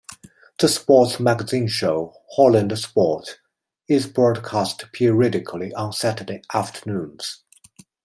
The sports magazine show "Holland Sport" is broadcast periodically on Saturday afternoons.